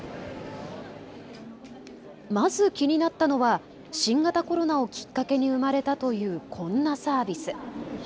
まず気になったのは新型コロナをきっかけに生まれたというこんなサービス。